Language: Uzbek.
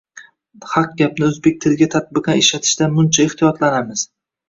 Haq gapni o‘zbek tiliga tatbiqan ishlatishdan muncha ehtiyotlanamiz?